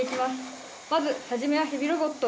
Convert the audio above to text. まず初めはヘビロボット。